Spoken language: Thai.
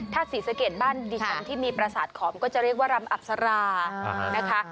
ถ้าศรีสะเกดบ้านดิฉันที่มีประสาทขอมก็จะเรียกว่ารำอับสรานะคะ